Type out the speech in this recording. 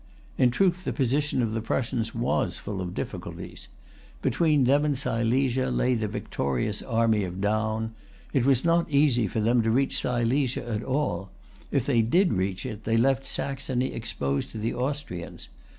In truth, the position of the Prussians was full of difficulties. Between them and Silesia lay the victorious army of Daun. It was not easy for them to reach Silesia at all. If they did reach it, they left Saxony exposed to the Austrians.